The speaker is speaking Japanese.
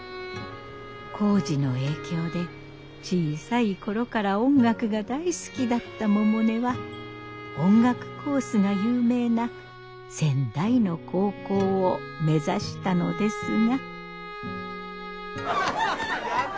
耕治の影響で小さい頃から音楽が大好きだった百音は音楽コースが有名な仙台の高校を目指したのですが。